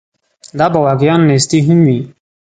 دا به واقعاً نیستي هم وي.